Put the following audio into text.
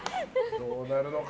どうなるのか。